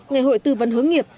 ngày hội tư vấn hướng nghiệp